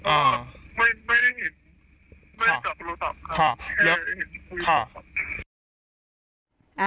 อ่าไม่ไม่ได้เห็นไม่ได้กลับโทรศัพท์ค่ะค่ะค่ะ